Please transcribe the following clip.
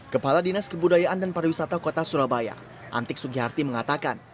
kepala dinas kebudayaan dan pariwisata kota surabaya antik sugiharti mengatakan